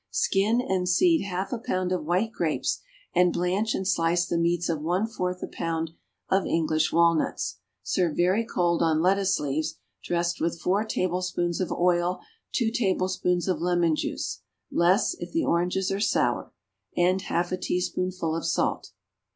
Skin and seed half a pound of white grapes, and blanch and slice the meats of one fourth a pound of English walnuts. Serve very cold on lettuce leaves, dressed with four tablespoonfuls of oil, two tablespoonfuls of lemon juice less, if the oranges are sour and half a teaspoonful of salt.